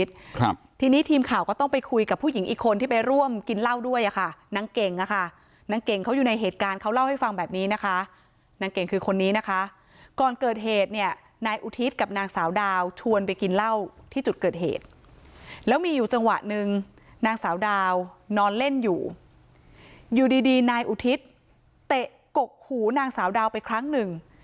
เตะกกหูนางสาวดาวไปครั้งหนึ่ง